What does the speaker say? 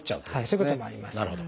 そういうこともあります。